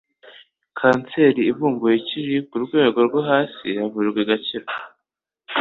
kanseri ivumbuwe ikiri ku rwego rwo hasi iravurwa igakira